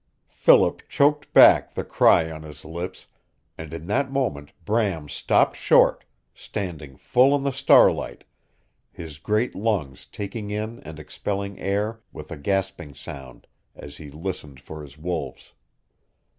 Philip choked back the cry on his lips, and in that moment Bram stopped short, standing full in the starlight, his great lungs taking in and expelling air with a gasping sound as he listened for his wolves.